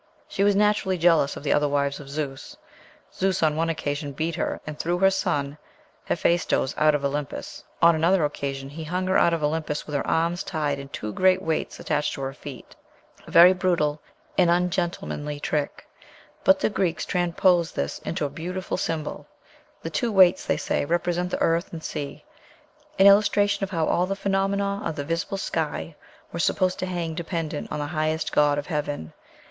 She was naturally jealous of the other wives of Zeus. Zeus on one occasion beat her, and threw her son Hephæstos out of Olympus; on another occasion he hung her out of Olympus with her arms tied and two great weights attached to her feet a very brutal and ungentlemanly trick but the Greeks transposed this into a beautiful symbol: the two weights, they say, represent the earth and sea, "an illustration of how all the phenomena of the visible sky were supposed to hang dependent on the highest god of heaven!"